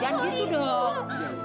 jangan gitu dong